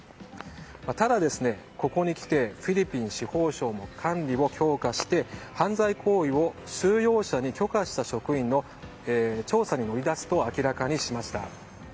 ただ、ここにきてフィリピン司法省も管理を強化して犯罪行為を収容者に許可した職員の調査に乗り出すと明らかにしました。